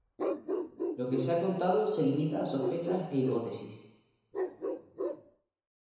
Lo que se ha contado se limita a sospechas e hipótesis.